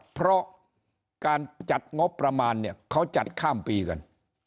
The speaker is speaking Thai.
เพราะการจัดงบประมาณเนี่ยเขาจัดข้ามปีกัน